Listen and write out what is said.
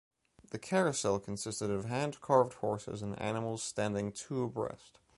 The carousel consisted of hand-carved horses and animals standing two abreast.